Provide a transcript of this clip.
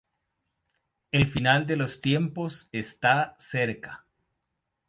El final de los tiempos está cerca.